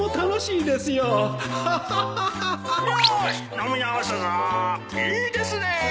いいですねえ」